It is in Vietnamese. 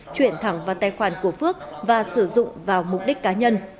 chuyển thẳng vào tài khoản của phước và sử dụng vào mục đích cá nhân